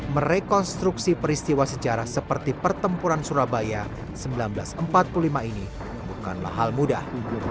merekonstruksi peristiwa sejarah seperti pertempuran surabaya seribu sembilan ratus empat puluh lima ini bukanlah hal mudah